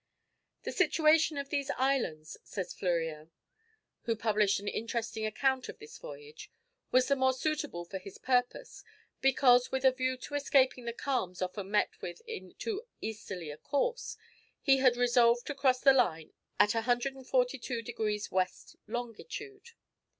"The situation of these islands," says Fleurien, who published an interesting account of this voyage, "was the more suitable for his purpose, because with a view to escaping the calms often met with in too easterly a course, he had resolved to cross the line at 142 degrees west longitude."